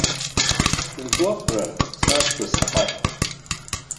Ргәаҟран са быстәхар!